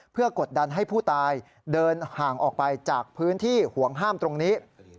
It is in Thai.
เพื่อกดดันให้ผู้ตายเดินห่างออกไปจากพื้นที่ห่วงห้ามตรงนี้